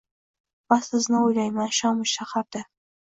Va sizni o’ylayman shomu saharda